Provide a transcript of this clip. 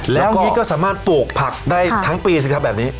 แล้วก็นี่ก็สามารถปลูกผักได้ทั้งปีสิครับแบบนี้